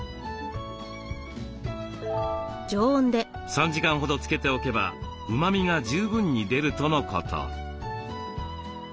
３時間ほどつけておけばうまみが十分に出るとのこと。